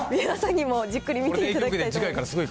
皆さんにもじっくり見ていただきたいと思います。